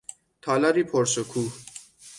تالاری پر شکوه